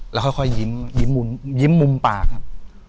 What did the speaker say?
แล้วค่อยยิ้มมุมปากครับ